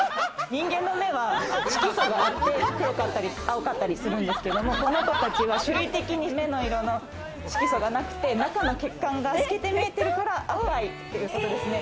人間の目は色素があって黒かったり青かったりするんですけども、この子たちは種類的に目の色の色素がなくて、中の血管が透けて見えてるから赤いっていうことですね。